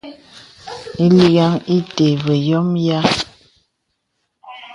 Lìgāŋ ìtə̀ və yɔ̄mə yìâ.